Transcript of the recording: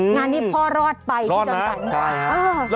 งานที่พ่อรอดไปที่จนกัน